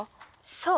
そう！